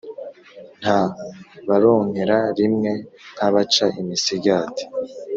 Nta baronkera rimwe nk’abaca imisigati.